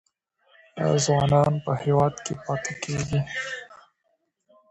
آیا ځوانان په هیواد کې پاتې کیږي؟